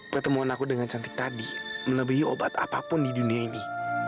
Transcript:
pertemuan aku dengan cantik tadi melebihi obat apapun di dunia ini